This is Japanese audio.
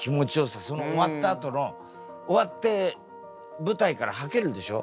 その終わったあとの終わって舞台からはけるでしょ？